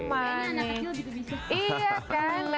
ini anak kecil juga bisa